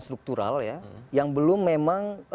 struktural ya yang belum memang